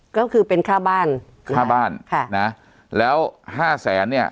ก็คือเป็นค่าบ้านค่าบ้านค่ะนะแล้วห้าแสนเนี่ย